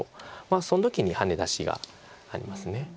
その時にハネ出しがあります。